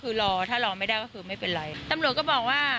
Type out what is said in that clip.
เธอก็ทำในสิ่งที่มันผิดกฎหมายดีกว่า